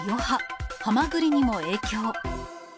ハマグリにも影響。